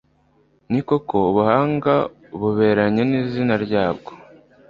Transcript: ni koko, ubuhanga buberanye n'izina ryabwo